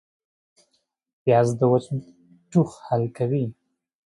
پیاز د وچ ټوخ حل کوي